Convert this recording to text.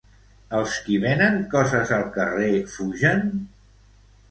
Els qui venen coses al carrer fugen?